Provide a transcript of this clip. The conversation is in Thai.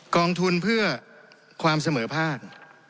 กองทุนเพื่อความเสมอภาค